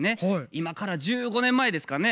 今から１５年前ですかね